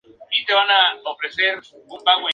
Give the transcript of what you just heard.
Al principio estaba un poco reacio a asumir el proyecto.